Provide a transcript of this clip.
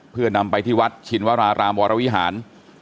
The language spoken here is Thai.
เพื่อนำไปที่วัดชินวรารามวรวิหาร